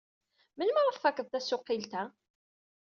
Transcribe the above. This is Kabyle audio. Melmi ara tfakeḍ tasuqilt-a?